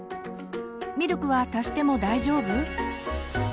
「ミルクは足しても大丈夫？」。